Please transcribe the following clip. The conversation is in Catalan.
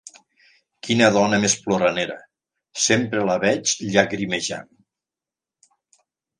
Quina dona més ploranera: sempre la veig llagrimejant.